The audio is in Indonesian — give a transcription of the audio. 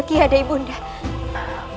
masih ada ibu undang